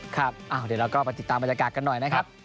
ครับเดี๋ยวเราก็ไปติดตามบรรยากาศกันหน่อยนะครับ